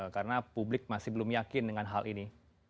karena publik masih belum yakin dengan hal ini